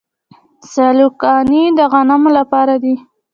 سیلوګانې د غنمو لپاره دي.